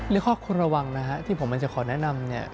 และข้อควรระวังที่ผมจะขอแนะนำ